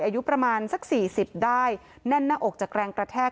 อายุประมาณสักสี่สิบได้แน่นหน้าอกจากแรงกระแทก